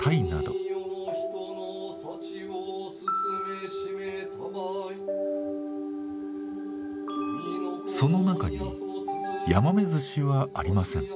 その中にヤマメずしはありません。